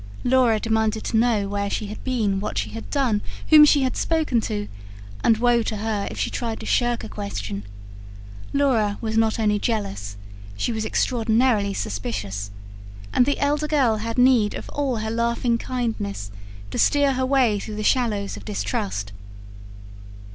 Laura demanded to know where she had been, what she had done, whom she had spoken to; and woe to her if she tried to shirk a question. Laura was not only jealous, she was extraordinarily suspicious; and the elder girl had need of all her laughing kindness to steer her way through the shallows of distrust.